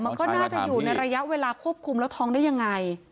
มันก็น่าจะอยู่ในระยะเวลาควบคุมแล้วท้องได้ยังไง